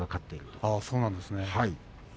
ああ、そうなんですね。